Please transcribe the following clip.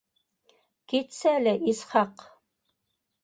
— Китсәле, Исхаҡ!